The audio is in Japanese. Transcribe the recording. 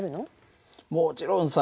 もちろんさ。